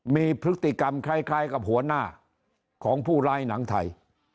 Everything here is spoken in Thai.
มีพฤติกรรมคล้ายกับหัวหน้าของผู้ร้ายหนังไทย